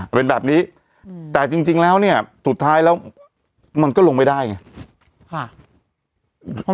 เป็นแบบนี้แต่จริงแล้วเนี่ยสุดท้ายแล้วมันก็ลงไม่ได้ไง